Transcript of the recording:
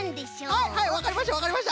はいはいわかりましたわかりました！